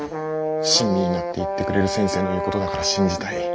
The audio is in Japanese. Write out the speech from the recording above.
親身になって言ってくれる先生の言うことだから信じたい。